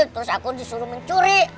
terus aku disuruh mencuri